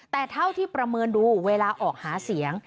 แต่เท่าที่ประเมินดูเวลาออกหาเสียง